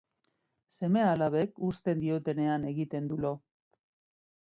Seme-alabek uzten diotenean egiten du lo.